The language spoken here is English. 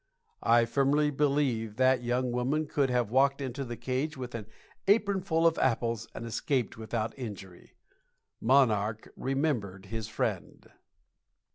I firmly believe that young woman could have walked into the cage with an apron full of apples and escaped without injury. "Monarch" remembered his friend.